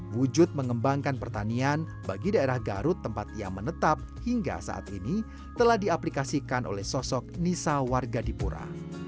wujud mengembangkan pertanian bagi daerah garut tempat ia menetap hingga saat ini telah diaplikasikan oleh sosok nisa warga dipura